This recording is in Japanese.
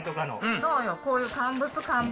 そうよ、こういう乾物、乾物。